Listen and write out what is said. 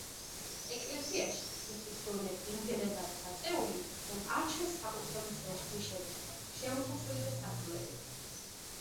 ეკლესიაში მიწის დონე იმდენად არის აწეული, რომ არ ჩანს საკურთხევლის ნიშები, შესასვლელი და სარკმლები.